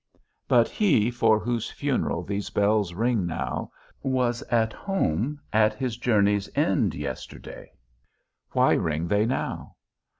But he, for whose funeral these bells ring now, was at home, at his journey's end yesterday; why ring they now?